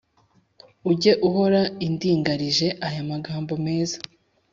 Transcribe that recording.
Ujye uhora indingarije aya magambo meza